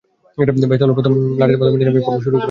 বেশ, তাহলে প্রথম লটের মাধ্যমে নিলামী পর্ব শুরু করা যাক।